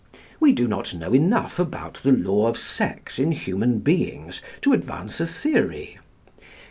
We do not know enough about the law of sex in human beings to advance a theory.